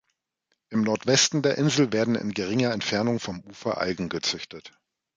Im Nordwesten der Insel werden in geringer Entfernung vom Ufer Algen gezüchtet.